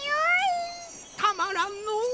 たまらんのう！